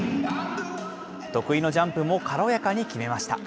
得意のジャンプも軽やかに決めました。